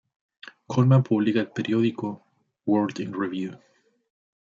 Coleman publica el periódico "World In Review".